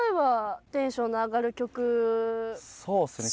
そうっすね。